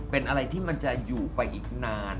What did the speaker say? เป็นอะไรที่มันจะอยู่ไปอีกนาน